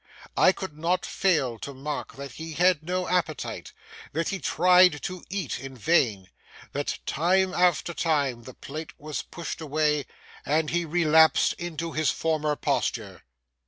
I could not fail to mark that he had no appetite; that he tried to eat in vain; that time after time the plate was pushed away, and he relapsed into his former posture.